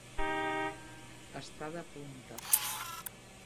Estar de punta.